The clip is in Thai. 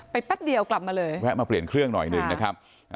แป๊บเดียวกลับมาเลยแวะมาเปลี่ยนเครื่องหน่อยหนึ่งนะครับ